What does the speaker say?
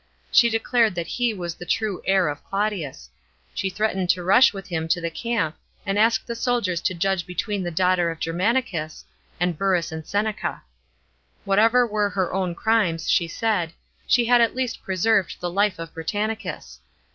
She declared that he was the true heir of Claudius; she threatened to rush with him to the camp, and ask the soldiers to judge between the daughter of Germanicus, and Burrus and Sen* ca. Whatever were her own crimes, she said, she had at lea t preserved the life of Britannicus.